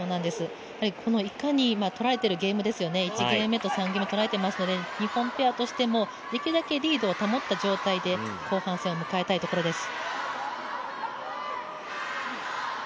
このいかにとられているゲーム１ゲーム目と３ゲーム目とられていますので日本ペアとしてもできるだけリードを保った状態で後半戦を迎えたいところです。